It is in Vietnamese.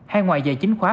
hay ngoài dạy chính khóa